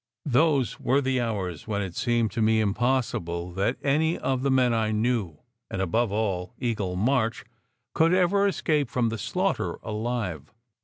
Those were the hours when it seemed to me impossible that any of the men I knew, and above all, Eagle March, could ever escape from the slaughter alive.